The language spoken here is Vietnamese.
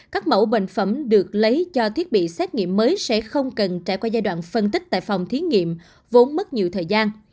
các mẫu bệnh phẩm được lấy cho thiết bị xét nghiệm mới sẽ không cần trải qua giai đoạn phân tích tại phòng thí nghiệm vốn mất nhiều thời gian